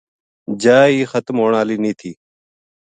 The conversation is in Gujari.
جا ہی ختم ہون ہالی نیہہ تھی۔